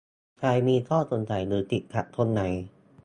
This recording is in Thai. ใครมีข้อสงสัย หรือติดขัดตรงไหน